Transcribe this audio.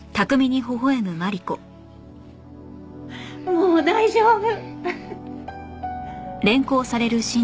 もう大丈夫！